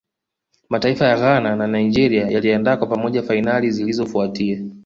mataifa ya Ghana na Nigeria yaliandaa kwa pamoja fainali zilizofuatia